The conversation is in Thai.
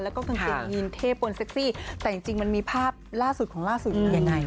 แล้วก็กางเกงยีนเทพบนเซ็กซี่แต่จริงมันมีภาพล่าสุดของล่าสุดมายังไง